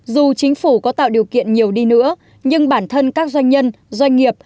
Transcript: dù chính phủ có tạo điều kiện nhiều đi nữa nhưng bản thân các doanh nhân doanh nghiệp